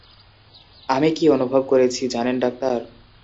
আমি কী অনুভব করেছি, জানেন ডাক্তার?